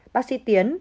bác sĩ tiến